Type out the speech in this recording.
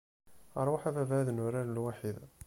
Ṛwaḥ a baba ad nurar lwaḥid!